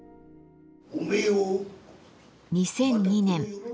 ２００２年